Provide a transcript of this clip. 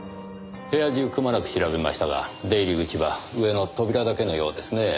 部屋中くまなく調べましたが出入り口は上の扉だけのようですねぇ。